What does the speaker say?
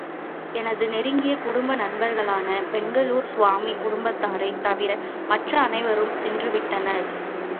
எனது நெருங்கிய குடும்ப நண்பர்களான பெங்களூர் சுவாமி குடும்பத்தாரைத் தவிர மற்ற அனைவரும் சென்று விட்டனர்.